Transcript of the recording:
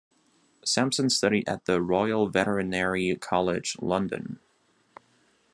Sampson studied at the Royal Veterinary College, London.